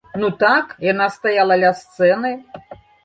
Ну так, яна стаяла ля сцэны.